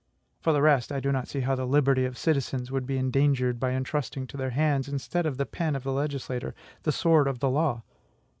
For the rest, I do not see how the liberty of citizens would be endangered by entrusting to their hands, instead of the pen of the legislator, the sword of the law.